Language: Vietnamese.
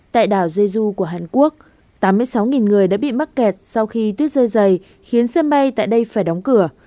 tại đảo jeju của hàn quốc tám mươi sáu người đã bị mắc kẹt sau khi tuyết rơi dày khiến sân bay tại đây phải đóng cửa